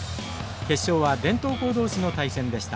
決勝は伝統校同士の対戦でした。